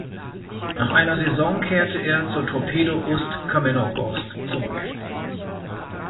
Nach einer Saison kehrte er zu Torpedo Ust-Kamenogorsk zurück.